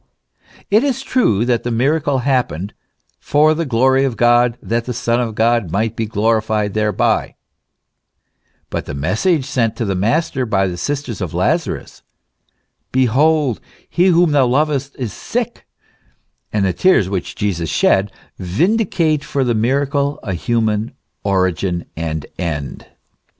It is true that the miracle happened " for the glory of God, that the Son of God might he glorified thereby ;" but the message sent to the Master by the sisters of Lazarus, "Behold, he whom thou lovest, is sick," and the tears which Jesus shed, vindicate for the miracle a human origin and end.